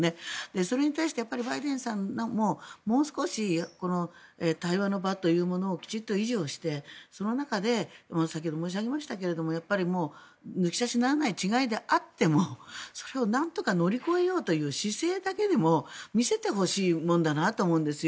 それに対してバイデンさんももう少し対話の場というものをきちんと維持して、その中で先ほど申し上げましたけどやっぱり抜き差しならない違いであってもそれをなんとか乗り越えようという姿勢だけでも見せてほしいものだなと思うんですよ。